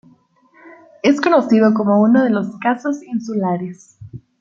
Es conocido como uno de los Casos insulares.